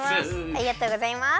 ありがとうございます。